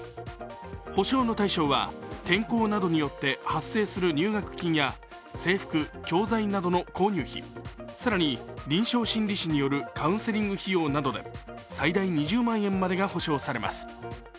補償の対象は、転校などによって発生する入学金や制服・教材などの購入費更に臨床心理士によるカウンセリング費用などで最大２０万円までが補償されます。